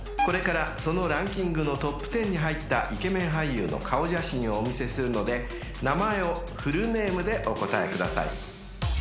［これからそのランキングのトップ１０に入ったイケメン俳優の顔写真をお見せするので名前をフルネームでお答えください］